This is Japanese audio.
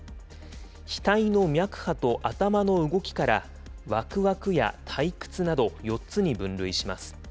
額の脈波と頭の動きから、わくわくやたいくつなど４つに分類します。